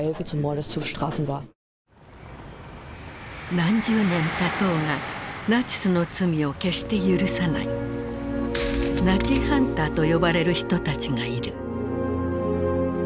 何十年たとうがナチスの罪を決して赦さないナチハンターと呼ばれる人たちがいる。